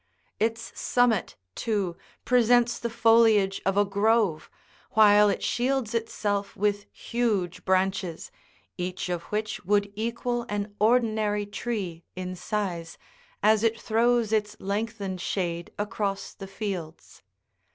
Its summit, too, presents the foliage of a grove, while it shields itself with huge branches, each of which would equal an ordi nary tree in size, as it throws its lengthened shade across the fields.